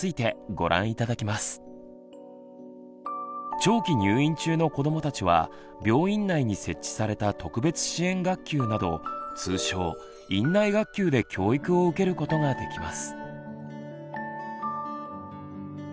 長期入院中の子どもたちは病院内に設置された特別支援学級など通称「院内学級」で教育を受けることができます。